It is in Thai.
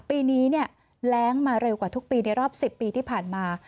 ปีนี้แรงมาเร็วกว่าทุกปีในรอบ๑๐ปีที่ผ่านมา